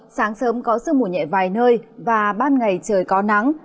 sáng sớm có sương mù nhẹ vài nơi và ban ngày trời có nắng